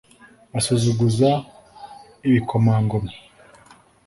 asuzuguza ibikomangoma